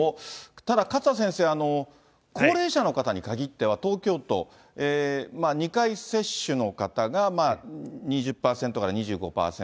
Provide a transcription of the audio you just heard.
ただ勝田先生、高齢者の方に限っては、東京都、２回接種の方が２０％から２５％。